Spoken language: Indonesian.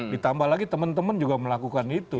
ditambah lagi temen temen juga melakukan itu